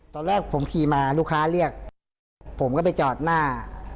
ตอนแรกผมขี่มาลูกค้าเรียกผมก็ไปจอดหน้า